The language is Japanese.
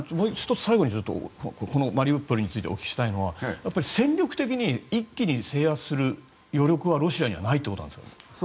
１つ、最後にこのマリウポリについてお聞きしたいのは戦力的に一気に制圧する余力はロシアにはないってことですか？